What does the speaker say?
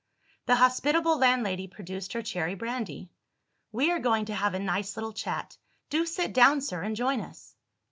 The hospitable landlady produced her cherry brandy. "We are going to have a nice little chat; do sit down, sir, and join us."